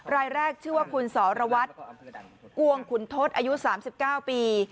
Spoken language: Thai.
รายแรกชื่อว่าคุณสรวัตรกวงขุนทศอายุ๓๙ปี